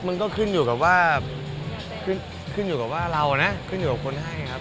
มันต้องขึ้นอยู่กับว่าเรานะขึ้นอยู่กับคนให้นะครับ